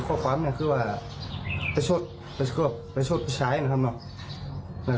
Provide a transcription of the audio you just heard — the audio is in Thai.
ข้อความเนี่ยคือว่าประชุดประชุดประชายนะครับเนาะ